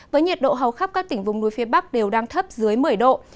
với nhiệt độ hầu khắp các tỉnh vùng núi phía bắc đều đang thấp dưới một mươi độ